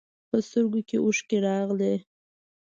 په سترګو کې یې اوښکې راغلې.